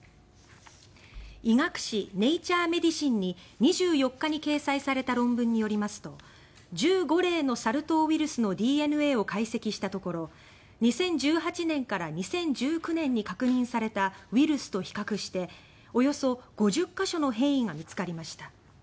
医学誌「ネイチャーメディシン」に２４日に掲載された論文によりますと１５例のサル痘のウイルスのＤＮＡを解析したところ２０１８年から２０１９年に確認されたウイルスと比較しておよそ５０か所の変異が見つかりました。